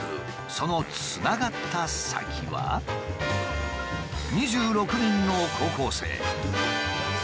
そのつながった先は２６人の高校生。